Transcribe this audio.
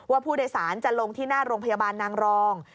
ว่าผู้โดยสารจะลงที่หน้าโรงพยาบาลนางรอง